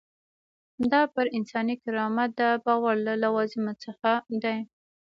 دا پر انساني کرامت د باور له لوازمو څخه دی.